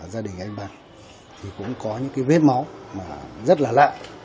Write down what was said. gia đình anh bằng cũng có những vết máu rất là lạ